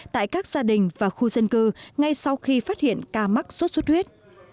tại các gia đình và khu dân cư ngay sau khi phát hiện ca mắc sốt xuất huyết